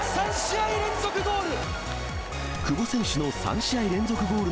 ３試合連続ゴール。